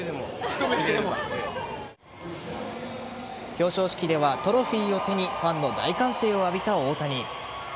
表彰式ではトロフィーを手にファンの大歓声を浴びた大谷。